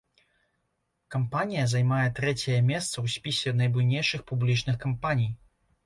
Кампанія займае трэцяе месца ў спісе найбуйнейшых публічных кампаній.